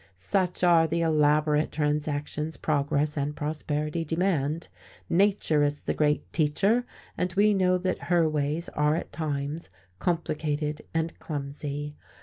Such are the elaborate transactions progress and prosperity demand. Nature is the great teacher, and we know that her ways are at times complicated and clumsy.